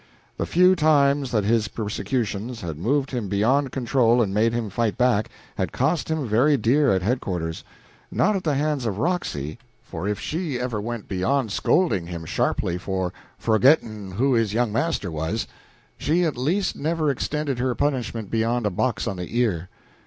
The few times that his persecutions had moved him beyond control and made him fight back had cost him very dear at headquarters; not at the hands of Roxy, for if she ever went beyond scolding him sharply for "forgitt'n' who his young marster was," she at least never extended her punishment beyond a box on the ear.